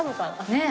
ねえ。